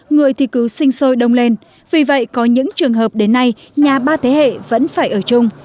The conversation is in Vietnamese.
người thì cứu sinh sôi đông lên vì vậy có những trường hợp đến nay nhà ba thế hệ vẫn phải ở chung